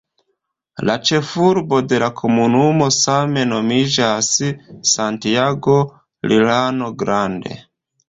La ĉefurbo de la komunumo same nomiĝas "Santiago Llano Grande".